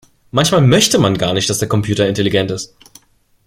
Manchmal möchte man gar nicht, dass der Computer intelligent ist.